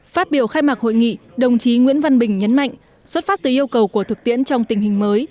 phát biểu khai mạc hội nghị đồng chí nguyễn văn bình nhấn mạnh xuất phát từ yêu cầu của thực tiễn trong tình hình mới